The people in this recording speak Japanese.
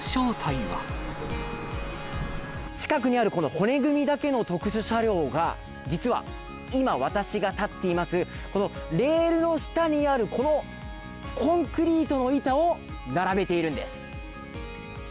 近くにある、この骨組みだけの特殊車両が、実は今、私が立っています、このレールの下にある、このコンクリートの板を並べているんです。